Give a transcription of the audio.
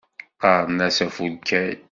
Qqaren-as Afulkay.